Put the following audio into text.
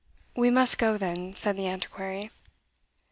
"We must go then," said the Antiquary.